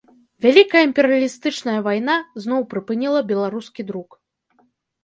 Вялікая імперыялістычная вайна зноў прыпыніла беларускі друк.